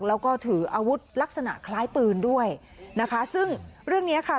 แล้วก็ถืออาวุธลักษณะคล้ายปืนด้วยนะคะซึ่งเรื่องเนี้ยค่ะ